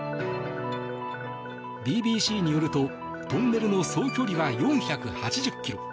ＢＢＣによるとトンネルの総距離は４８０ｋｍ。